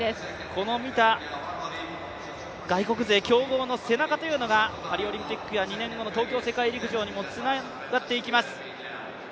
この見た外国勢、強豪の背中というのがパリオリンピックや２年後の東京世界陸上にもつながっていきます。